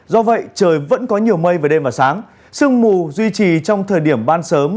do vậy trời vẫn có nhiều mây về đêm và sáng sương mù duy trì trong thời điểm ban sớm